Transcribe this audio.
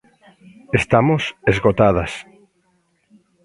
Estamos esgotadas.